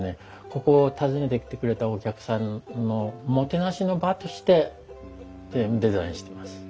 ここを訪ねてきてくれたお客さんのもてなしの場としてデザインしてます。